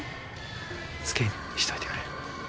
ツケにしといてくれ。